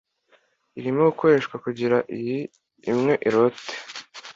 Irimo gukoreshwa kugirango iyi imwe irote